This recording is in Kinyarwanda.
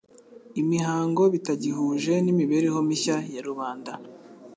imihango bitagihuje n'imibereho mishya ya rubanda.